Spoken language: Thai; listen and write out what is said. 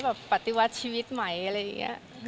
ปฏิวัติชีวิตใหม่อะไรอย่างนี้